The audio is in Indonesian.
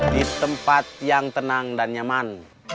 di tempat yang tenang dan nyaman